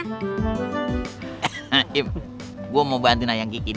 haim gue mau bantuin ayang kiki dulu